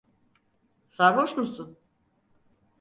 Sarhoş musun?